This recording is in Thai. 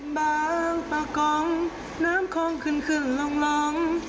บางประกองน้ำคล่องขึ้นขึ้นหล่อง